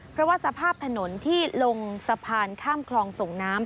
เพราะว่าสภาพถนนที่ลงสะพานข้ามคลองส่งน้ำ